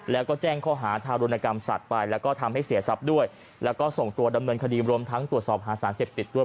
แล้วก็แจ้งข้อหาทารุณกรรมสัตว์ไปแล้วก็ทำให้เสียทรัพย์ด้วยแล้วก็ส่งตัวดำเนินคดีรวมทั้งตรวจสอบหาสารเสพติดด้วย